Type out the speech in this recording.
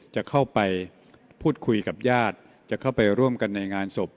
จะเข้าไปพูดคุยกับญาติจะเข้าไปร่วมกันในงานศพ